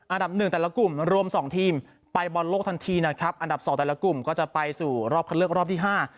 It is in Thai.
อันดับหนึ่งแต่ละกลุ่มรวมสองทีมไปบอลโลกทันทีนะครับอันดับสองแต่ละกลุ่มก็จะไปสู่รอบคันเลือกรอบที่ห้า